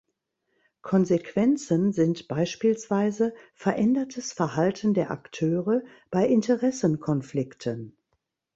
Konsequenzen sind beispielsweise verändertes Verhalten der Akteure bei Interessenkonflikten.